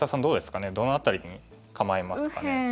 どうですかねどの辺りに構えますかね。